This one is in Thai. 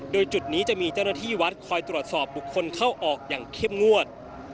โดยจุดนี้จะมีเจ้าหน้าที่วัดคอยตรวจสอบบุคคลเข้าออกอย่างเข้มงวด